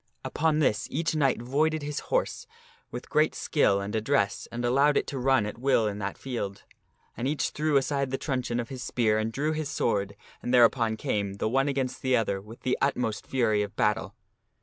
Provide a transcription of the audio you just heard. Upon this each knight voided his horse with great skill and address, and allowed it to run at will in that field. And each threw aside the truncheon of his spear and drew his sword, and thereupon came, the one against the other, with the utmost fury of battle.